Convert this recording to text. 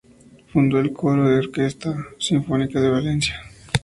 Fundó el Coro de la Orquesta Sinfónica de Valencia.